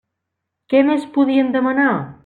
Què més podien demanar?